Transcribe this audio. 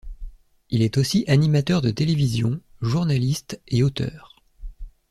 Il est aussi animateur de télévision, journaliste et auteur.